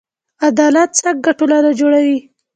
عدالت څنګه ټولنه جوړوي؟